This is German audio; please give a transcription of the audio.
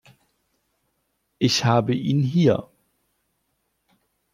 Ich habe ihn hier.